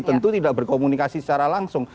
tentu tidak berkomunikasi secara langsung